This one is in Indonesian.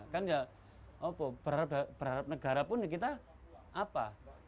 kan ya berharap negara pun kita apa